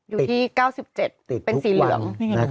อยู่ที่๙๗เป็นสีเหลือง